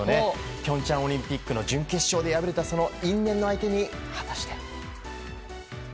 平昌オリンピックの準決勝で敗れた因縁の相手に果たして。